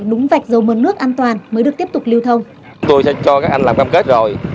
đúng vạch dầu muôn nước an toàn mới được tiếp tục lưu thông tôi sẽ cho các anh làm cam kết rồi